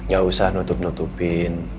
gak usah nutup nutupin